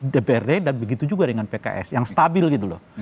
dprd dan begitu juga dengan pks yang stabil gitu loh